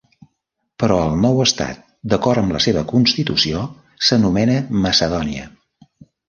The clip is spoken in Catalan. Però el nou estat, d'acord amb la seva constitució, s'anomena Macedònia.